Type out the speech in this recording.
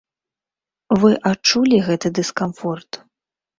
Вы адчулі гэты дыскамфорт?